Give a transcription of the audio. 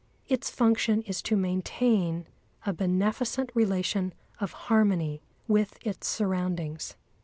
Its function is to maintain a beneficent relation of harmony with its surroundings.